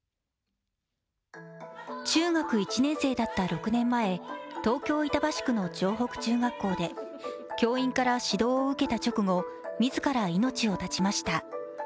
中学１年生だった６年前、東京・板橋区の城北中学校で教員から指導を受けた直後、自ら命を絶ちました。